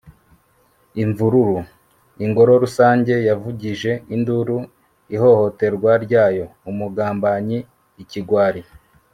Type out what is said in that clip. imvururu. ingoro rusange yavugije induru ihohoterwa ryayo. 'umugambanyi', 'ikigwari'